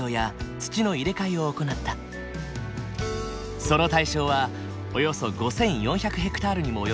その対象はおよそ５，４００ヘクタールにも及ぶ広大な果樹園。